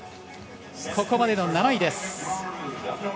ここまでの７位です。